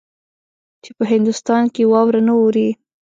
چې په هندوستان کې واوره نه اوري.